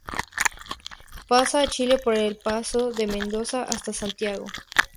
Pasa a Chile por el paso de Mendoza hasta Santiago.